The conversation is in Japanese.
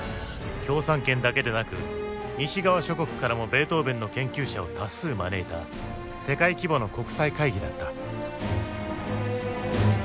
共産圏だけでなく西側諸国からもベートーヴェンの研究者を多数招いた世界規模の国際会議だった。